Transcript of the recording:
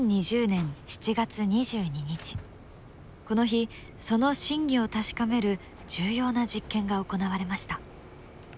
この日その真偽を確かめる重要な実験が行われました。